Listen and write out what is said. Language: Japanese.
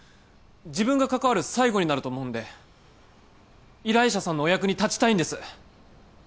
自分が関わる最後になると思うんで依頼者さんのお役に立ちたいんです